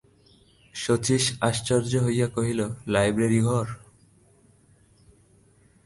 শচীশ আশ্চর্য হইয়া কহিল, লাইব্রেরি-ঘর!